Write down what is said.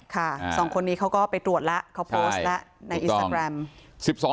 ๒คนนี้เขาก็ไปตรวจแล้วเขาโพสต์แล้วในอินสตาแกรม